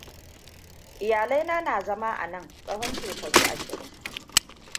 Iyalaina na zama a nan tsahon shekaru ashirin.